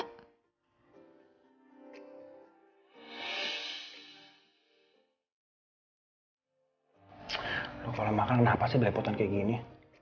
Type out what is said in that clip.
kalo lo mau makan kenapa sih belepotan kayak gini